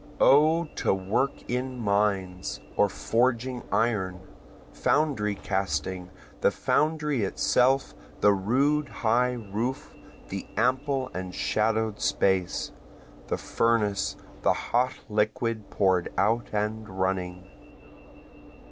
O to work in mines, or forging iron, Foundry casting, the foundry itself, the rude high roof, the ample and shadow'd space, The furnace, the hot liquid pour'd out and running.